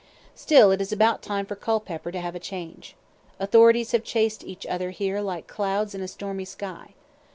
Still it is about time for Culpepper to have a change. Authorities have chased each other here like clouds in a stormy sky.